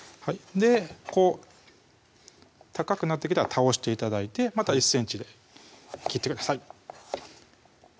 こう高くなってきたら倒して頂いてまた１ｃｍで切ってください